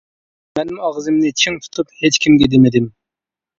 مەنمۇ ئاغزىمنى چىڭ تۇتۇپ، ھېچكىمگە دېمىدىم.